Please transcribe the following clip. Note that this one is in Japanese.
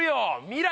未来